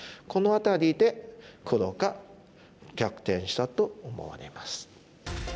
この辺りで黒が逆転したと思われます。